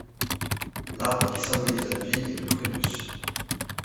L'arbre qui symbolise la ville est le prunus.